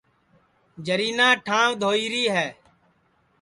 جرینا ٹھانٚوَ دھوئی ری ہے